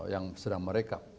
yang sedang merekap